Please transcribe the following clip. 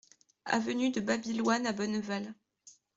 Avenue de Babyloine à Bonneval